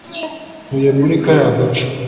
Ntuye muri kariya gace